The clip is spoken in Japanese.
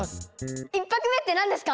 １拍目って何ですか？